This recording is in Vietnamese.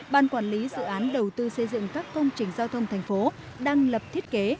ban quản lý dự án đầu tư xây dựng các công trình giao thông thành phố đang lập thiết kế